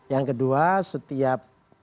yang kedua setiap